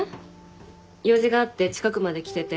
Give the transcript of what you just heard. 用事があって近くまで来てて。